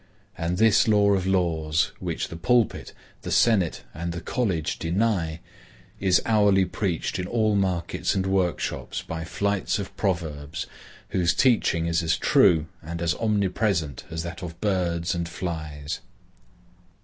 And this law of laws, which the pulpit, the senate and the college deny, is hourly preached in all markets and workshops by flights of proverbs, whose teaching is as true and as omnipresent as that of birds and flies.